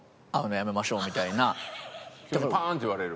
急にパーンって言われる？